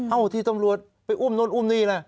ที่ตำรวจไปอุ้มโน้นอุ้มนี่ล่ะ